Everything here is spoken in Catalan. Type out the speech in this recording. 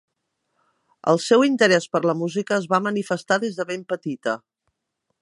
El seu interès per la música es va manifestar des de ben petita.